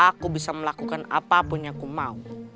aku bisa melakukan apapun yang ku mau